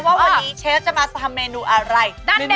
ยังไง